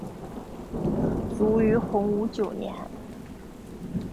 卒于洪武九年。